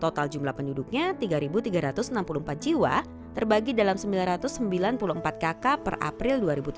total jumlah penduduknya tiga tiga ratus enam puluh empat jiwa terbagi dalam sembilan ratus sembilan puluh empat kakak per april dua ribu tujuh belas